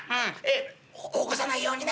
起こさないようにね。